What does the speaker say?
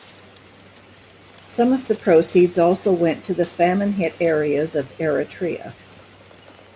Some of the proceeds also went to the famine hit areas of Eritrea.